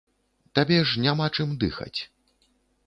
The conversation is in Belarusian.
Табе ж няма чым дыхаць.